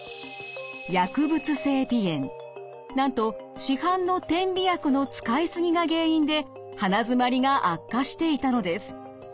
なんと市販の点鼻薬の使いすぎが原因で鼻づまりが悪化していたのです。